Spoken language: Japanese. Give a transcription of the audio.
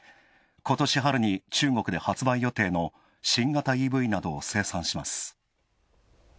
ことし春に中国で発売予定の新型ＥＶなどを生産します。